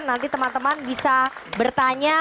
nanti teman teman bisa bertanya